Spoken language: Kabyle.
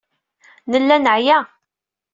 Nella neɛya.